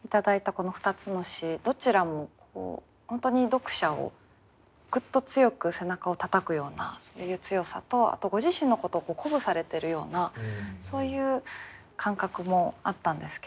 この２つの詩どちらも本当に読者をグッと強く背中をたたくようなそういう強さとあとご自身のことを鼓舞されてるようなそういう感覚もあったんですけど